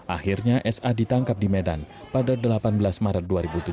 akhirnya sa ditangkap di medan pada delapan belas maret dua ribu tujuh belas